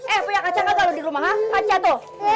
eh punya kaca kagak lu di rumah kaca tuh